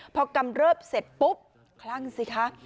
พอกำเริบเสร็จปุ๊บคลั่งสิคะ